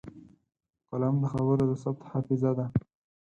قلم د خبرو د ثبت حافظه ده